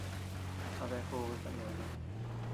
¿A dea jobe kanbakud?